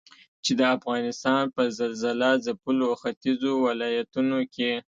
چې د افغانستان په زلزلهځپلو ختيځو ولايتونو کې